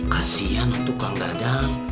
kasian untuk kang dadang